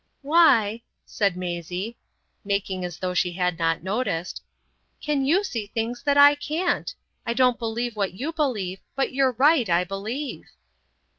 "Why," said Maisie, making as though she had not noticed, "can you see things that I can't? I don't believe what you believe; but you're right, I believe."